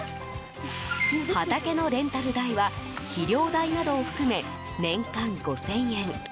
畑のレンタル代は肥料代などを含め年間５０００円。